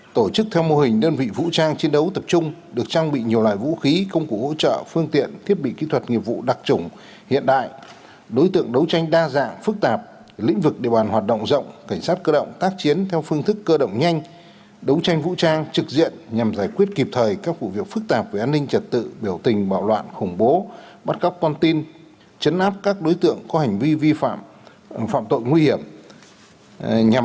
tổ chức theo mô hình đơn vị vũ trang chiến đấu tập trung được trang bị nhiều loại vũ khí công cụ hỗ trợ phương tiện thiết bị kỹ thuật nghiệp vụ đặc trùng hiện đại đối tượng đấu tranh đa dạng phức tạp lĩnh vực địa bàn hoạt động rộng cảnh sát cơ động tác chiến theo phương thức cơ động nhanh đấu tranh vũ trang trực diện nhằm giải quyết kịp thời các vụ việc phức tạp về an ninh trật tự biểu tình bạo loạn khủng bố bắt góc con tin chấn áp các đối tượng có hành vi vi phạm phạm tội n